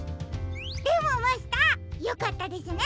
でもマスターよかったですね